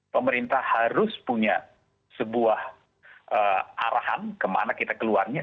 pemerintah harus punya sebuah arahan kemana kita keluarnya